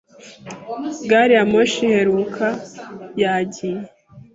Gari ya moshi iheruka yagiye.